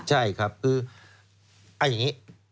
ใช่ครับคือเอาอย่างนี้